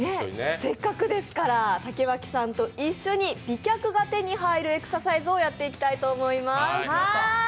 せっかくですから、竹脇さんと一緒に美脚が手に入るエクササイズをやっていきたいと思います。